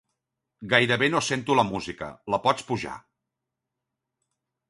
Gairebé no sento la música, la pots pujar.